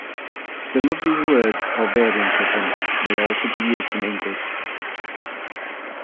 Some of these words, or variants of them, may also be used in English.